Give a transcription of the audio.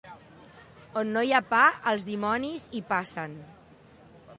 On no hi ha pa, els dimonis hi passen.